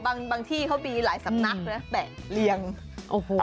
บางที่เขามีหลายสำนักนะแตะเลี้ยงโอ้โหยาก